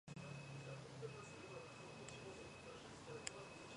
ომის შემდეგ ცხოვრობდა ლიბანში.